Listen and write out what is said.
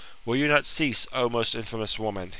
Will you not cease, O most infamous woman